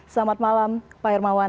selamat malam pak hermawan